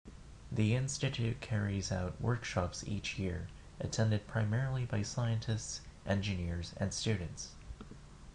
The Institute carries out workshops each year, attended primarily by scientists, engineers, and students.